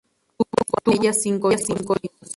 Tuvo con ella cinco hijos.